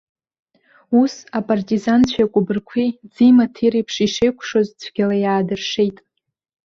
Ус, апартизанцәеи акәыбырқәеи ӡи-маҭи реиԥш ишеикәшоз, цәгьала иаадыршеит.